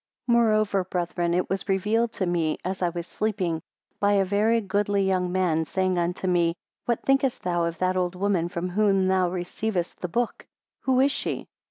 31 Moreover, brethren, it was revealed to me, as I was sleeping, by a very goodly young man, saying unto me, What thinkest thou of that old woman from whom thou receivedst the book; who is she?